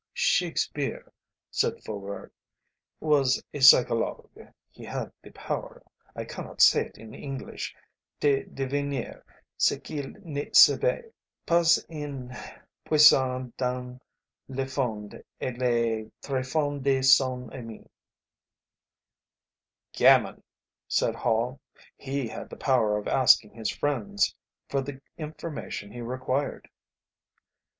"Shakespeare," said Faubourg, "was a psychologue; he had the power, I cannot say it in English, de deviner ce qu'il ne savait pas en puisant dans le fond et le trefond de son ame." "Gammon!" said Hall; "he had the power of asking his friends for the information he required."